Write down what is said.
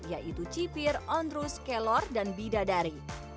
yaitu cipir onrus kelor dan bidadari